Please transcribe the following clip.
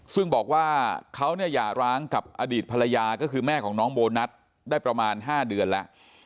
ซึ่งบอกว่าเขาเนี่ยอย่าร้างกับอดีตภรรยาก็คือแม่ของน้องโบนัสได้ประมาณ๕เดือนแล้ว